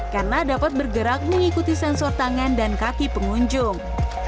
karena dapat bergerak mengikuti sensor tangan dan kaki pengunjung